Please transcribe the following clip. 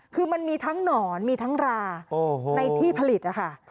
คือมันมีทั้งหนอนมีทั้งราในที่ผลิตนะคะ